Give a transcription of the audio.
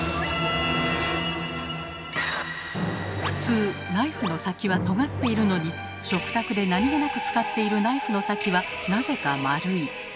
普通ナイフの先はとがっているのに食卓で何気なく使っているナイフの先はなぜか丸い。